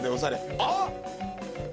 あっ！